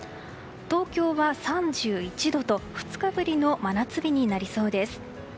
東京は３１度と２日ぶりの真夏日になりそうです。